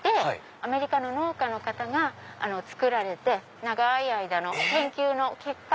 アメリカの農家の方が作られて長い間の研究の結果。